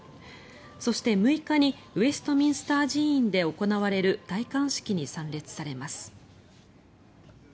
そして、６日にウェストミンスター寺院で行われる戴冠式に参列されます。